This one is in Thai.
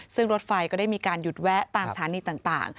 ซึ่งรถไฟก็ได้มีการหยุดแวะตามสถานีต่าง